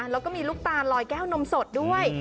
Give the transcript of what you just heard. แล้วก็มีลูกตาลลอยแก้วนมสดด้วย